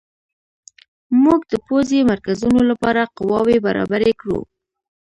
موږ د پوځي مرکزونو لپاره قواوې برابرې کړو.